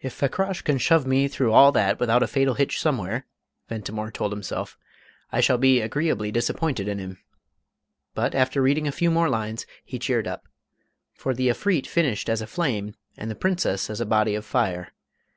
"If Fakrash can shove me through all that without a fatal hitch somewhere," Ventimore told himself, "I shall be agreeably disappointed in him," But, after reading a few more lines, he cheered up. For the Efreet finished as a flame, and the Princess as a "body of fire."